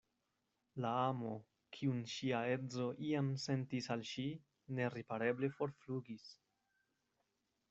La amo, kiun ŝia edzo iam sentis al ŝi, neripareble forflugis.